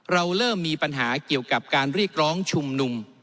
เราเริ่มมีปัญหาเกี่ยวกับการเรียกร้องชุมนุม